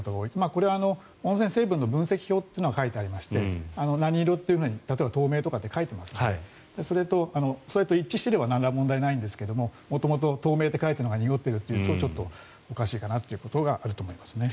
これは温泉成分の分析表というのが書いてありまして、何色という例えば透明とかって書いてますからそれと一致していればなんら問題はないんですが元々透明と書いてあるやつが濁っているとかはちょっとおかしいかなということがあると思いますね。